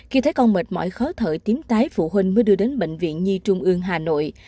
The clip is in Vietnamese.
khi thấy con mệt mỏi khó thởi tiếm tái phụ huynh mới đưa đến bệnh viện nhi trung ương hà nội